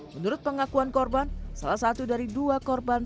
menurut pengakuan korban salah satu dari dua korban